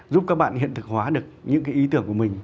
giúp các bạn hiện thực hóa được những cái ý tưởng của mình